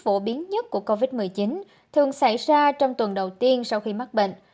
phổ biến nhất của covid một mươi chín thường xảy ra trong tuần đầu tiên sau khi mắc bệnh